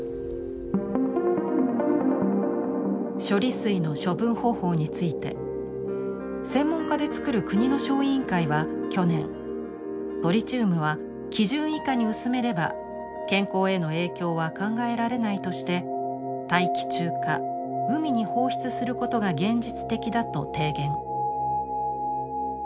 処理水の処分方法について専門家で作る国の小委員会は去年トリチウムは基準以下に薄めれば健康への影響は考えられないとして大気中か海に放出することが現実的だと提言。